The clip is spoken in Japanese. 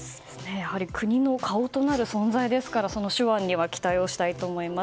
やはり国の顔となる存在ですから手腕には期待したいと思います。